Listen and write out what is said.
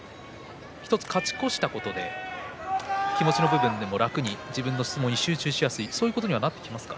勝ち越したことで１つ気持ちの面でも楽に自分の相撲に集中しやすいそういうことになってきますか？